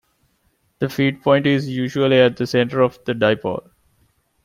The feedpoint is usually at the center of the dipole.